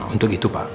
untuk itu pak